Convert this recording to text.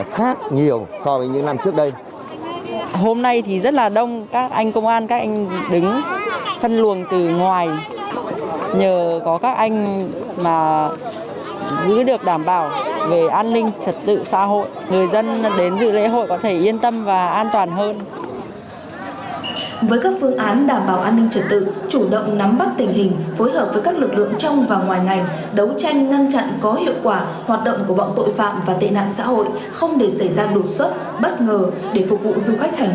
không để xảy ra đột xuất bất ngờ để phục vụ du khách hành hương về với đền hùng một cách thuận lợi